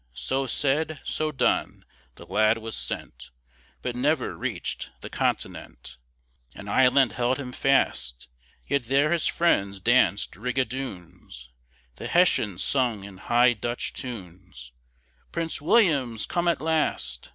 So said, so done the lad was sent, But never reached the continent, An island held him fast Yet there his friends danced rigadoons, The Hessians sung in high Dutch tunes, "Prince William's come at last!"